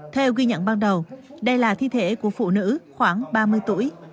theo ghi nhận ban đầu đây là thi thể của phụ nữ khoảng ba mươi tuổi